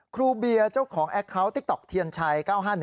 ครูเบียร์เจ้าของแอคเคาน์ติ๊กต๊อกเทียนชัย๙๕๑